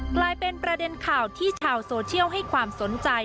กลายเป็นประเด็นข่าวที่ชาวโซเชียลให้ความสนใจ